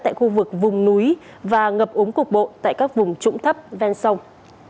tại khu vực vùng núi và ngập ống cục bộ tại các vùng trũng thấp ven sông